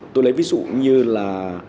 tôi lấy ví dụ như là